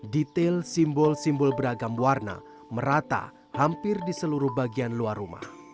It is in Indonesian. detail simbol simbol beragam warna merata hampir di seluruh bagian luar rumah